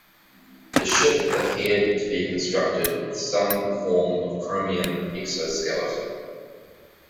The ship appeared to be constructed with some form of chromium exoskeleton.